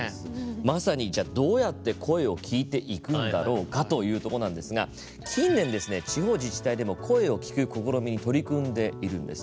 まさに、どうやって声を聞いていくんだろうかというとこなんですが近年ですね、地方自治体でも声を聞く試みに取り組んでいるんです。